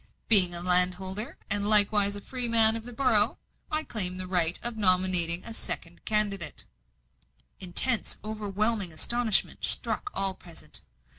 Being a landholder, and likewise a freeman of this borough, I claim the right of nominating a second candidate." Intense, overwhelming astonishment struck all present.